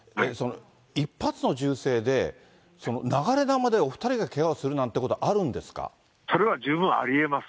１発の銃声で流れ弾でお２人がけがをするなんてことはあるんですそれは十分ありえます。